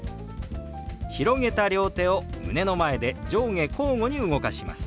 広げた両手を胸の前で上下交互に動かします。